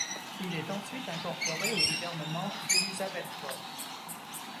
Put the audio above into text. Il est ensuite incorporé au gouvernement d'Elizavetpol.